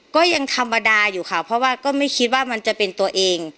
ก็ยังธรรมดาอยู่ค่ะเพราะว่าก็ไม่คิดว่ามันจะเป็นตัวเอง